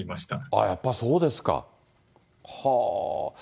ああ、やっぱそうですか。